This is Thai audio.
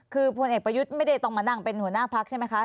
คือพลเอกประยุทธ์ไม่ได้ต้องมานั่งเป็นหัวหน้าพักใช่ไหมคะ